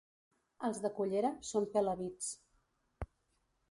Els de Cullera són pela-vits.